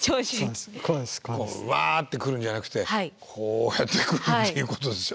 わって来るんじゃなくてこうやって来るっていうことですよね。